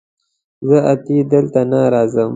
زه اتي دلته نه راځم